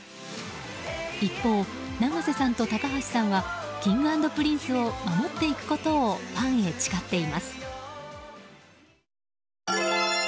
一方、永瀬さんと高橋さんはＫｉｎｇ＆Ｐｒｉｎｃｅを守っていくことをファンヘ誓っています。